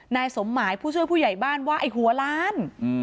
นายสมหมายผู้ช่วยผู้ใหญ่บ้านว่าไอ้หัวล้าน